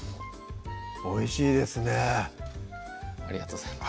おいしいですねありがとうございます